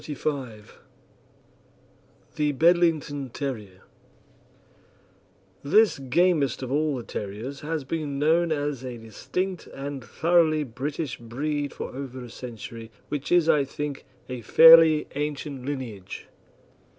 CHAPTER XXXV THE BEDLINGTON TERRIER This gamest of all the terriers has been known as a distinct and thoroughly British breed for over a century, which is, I think, a fairly ancient lineage.